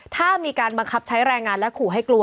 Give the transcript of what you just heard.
ถ้ามีการบังคับใช้แรงงานและขู่ให้กลัว